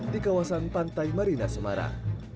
di kawasan pantai marina semarang